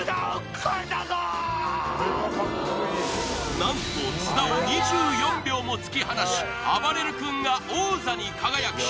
何と津田を２４秒も突き放しあばれる君が王座に輝き